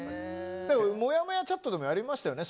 もやもやチャットでもやりましたよね。